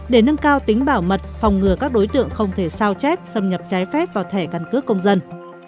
để nâng cao tính bảo mật phòng ngừa các đối tượng không thể sao chép xâm nhập trái phép vào thẻ căn cước công dân